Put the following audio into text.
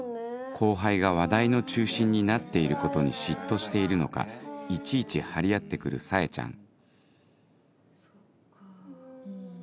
後輩が話題の中心になっていることに嫉妬しているのかいちいち張り合って来るサエちゃんそっか。